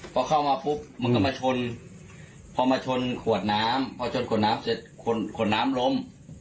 พอเข้ามาปุ๊บมันก็มาชนพอมาชนขวดน้ำจนขวดน้ำล้ม